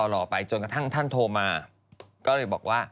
รอไปจนกระทั่งท่านโทรมา